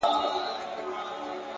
هره ناکامي د نوي پیل پیغام دی.